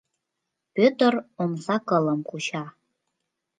Пӧтыр омса кылым куча.